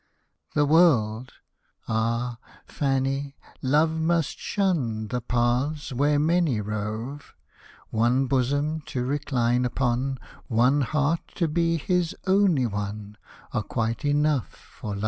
The world I — ah, Fanny, Love must shun The paths where many rove ; One bosom to recline upon, One heart to be his only one, Are quite enough for Love.